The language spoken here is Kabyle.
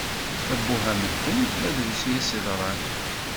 Abbuh a medden, ma drus i as-yeḍran.